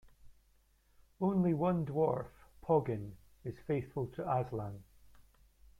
Only one dwarf, Poggin, is faithful to Aslan.